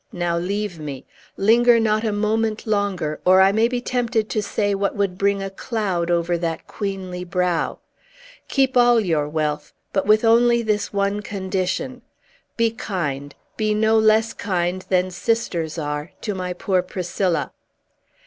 Now leave me. Linger not a moment longer, or I may be tempted to say what would bring a cloud over that queenly brow. Keep all your wealth, but with only this one condition: Be kind be no less kind than sisters are to my poor Priscilla!"